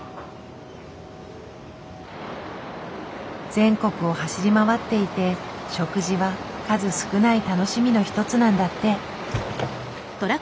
全国を走り回っていて食事は数少ない楽しみの一つなんだって。